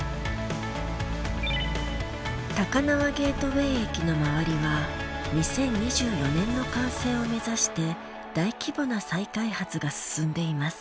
高輪ゲートウェイ駅の周りは２０２４年の完成を目指して大規模な再開発が進んでいます。